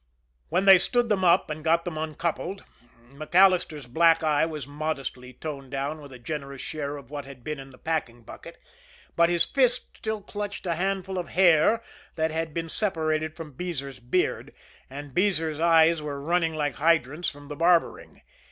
When they stood them up and got them uncoupled, MacAllister's black eye was modestly toned down with a generous share of what had been in the packing bucket, but his fist still clutched a handful of hair that he had separated from Beezer's beard and Beezer's eyes were running like hydrants from the barbering.